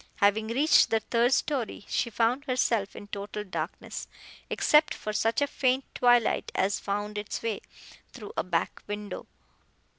Having reached the third story she found herself in total darkness, except for such faint twilight as found its way through a back window.